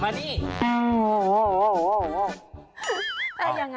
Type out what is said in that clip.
มานี่มาละมานี่